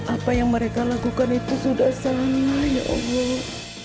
apa yang mereka lakukan itu sudah sama ya allah